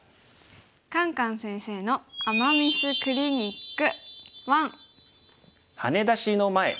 「カンカン先生の“アマ・ミス”クリニック１」。